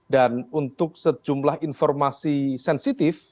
dan untuk sejumlah informasi sensitif